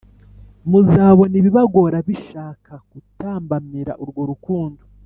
Muzabona ibibagora bishaka gutambamira urwo rukundo